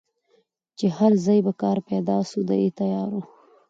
چي هر ځای به کار پیدا سو دی تیار وو